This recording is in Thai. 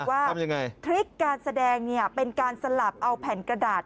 ว่าทริคการแสดงเนี่ยเป็นการสลับเอาแผ่นกระดาษ